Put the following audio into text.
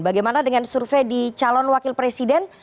bagaimana dengan survei di calon wakil presiden